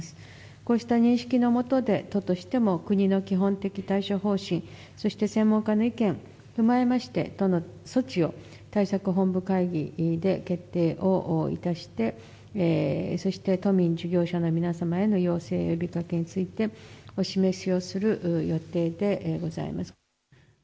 こうした認識の下で、都としても国の基本的対処方針、そして専門家の意見、踏まえまして、都の措置を対策本部会議で決定をいたして、そして都民、事業者の皆様への要請呼びかけについて、お示しをする予定でございます。